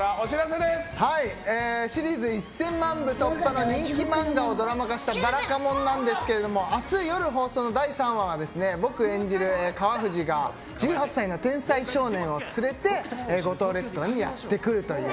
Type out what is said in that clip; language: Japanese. シリーズ１０００万部突破の人気漫画をドラマ化した「ばらかもん」なんですが明日夜放送の第３話は私が演じる川藤が１８歳の天才少年を連れて五島列島にやってくるという。